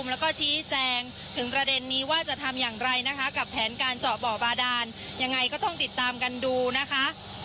และการเจาะเบาะประดานยังไงก็ต้องติดตามกันดูนะคะ